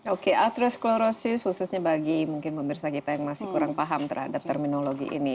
oke atrosclorosis khususnya bagi mungkin pemirsa kita yang masih kurang paham terhadap terminologi ini